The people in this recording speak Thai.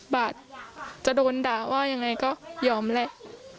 ก็๕บาท๑๐บาทจะโดนด่าว่ายังไงก็ยอมแหละ